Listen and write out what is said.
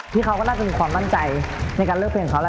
ที่เขาก็ต้องมีความมั่นใจในการเลือกเพลงเขา